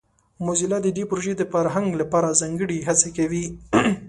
موزیلا د دې پروژې د پرمختګ لپاره ځانګړې هڅې کوي.